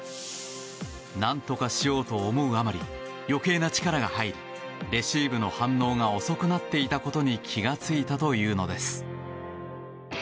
何とかしようと思うあまり余計な力が入りレシーブの反応が遅くなっていたことに気が付いたというのです。